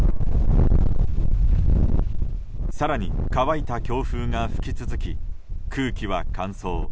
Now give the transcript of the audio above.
更に乾いた強風が吹き続き空気は乾燥。